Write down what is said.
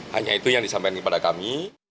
hanya itu yang disampaikan kepada kami